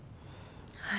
はい。